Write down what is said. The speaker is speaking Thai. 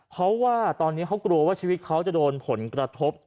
เพราะว่าตอนนี้เขากลัวว่าชีวิตเขาจะโดนผลกระทบ